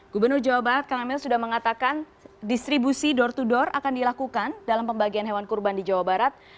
gubernur jawa barat kang emil sudah mengatakan distribusi door to door akan dilakukan dalam pembagian hewan kurban di jawa barat